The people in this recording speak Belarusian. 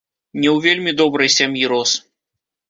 Не ў вельмі добрай сям'і рос.